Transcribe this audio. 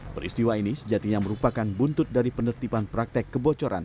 peristiwa ini sejatinya merupakan buntut dari penertiban praktek kebocoran